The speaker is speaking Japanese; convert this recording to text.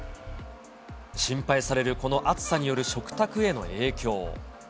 心配されるこの暑さによる食卓への影響。